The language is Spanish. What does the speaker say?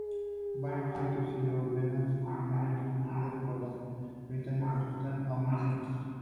Varios actos y ordenanzas primero introducidas por los británicos están aun vigentes.